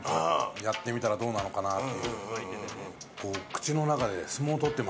やってみたらどうなのかなって。